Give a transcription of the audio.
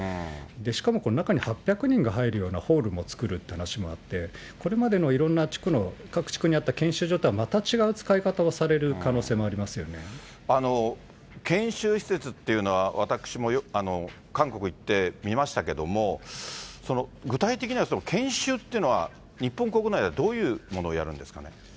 しかも中に８００人が入るようなホールも作るって話もあって、これまでのいろんな地区の、各地区にあった研修所とはまた違う使い方をされる可能性もありま研修施設っていうのは、私も韓国行って見ましたけども、具体的には、研修っていうのは、日本国内ではどういうものをやるんですか。